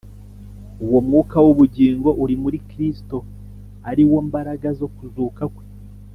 Uwo mwuka w’ubugingo uri muri Kristo, ari wo “mbaraga zo kuzuka kwe,